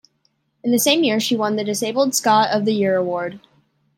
In the same year she won the Disabled Scot of the Year Award.